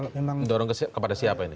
mendorong kepada siapa ini